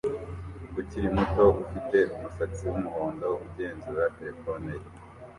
ukiri muto ufite umusatsi wumuhondo ugenzura terefone ye